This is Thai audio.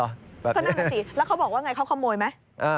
ก็นั่นน่ะสิแล้วเขาบอกว่าไงเขาขโมยไหม